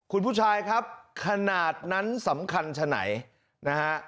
ขุนผู้ชายครับขนาดนั้นสำคัญในไหน